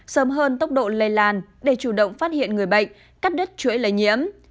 sớm hơn tốc độ lây lan để chủ động phát hiện người bệnh cắt đứt chuỗi lây nhiễm